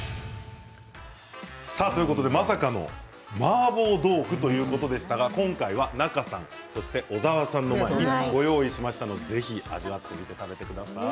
まさかのマーボー豆腐ということでしたが今回は仲さんと小沢さんの前にご用意しましたのでぜひ味わってみてください。